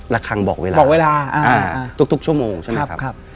ละครังบอกเวลาบอกเวลาอ่าอ่าทุกทุกชั่วโมงใช่ไหมครับครับ